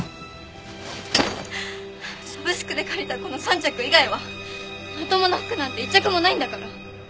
サブスクで借りたこの３着以外はまともな服なんて１着もないんだから！